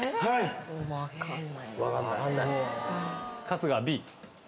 春日はＢ？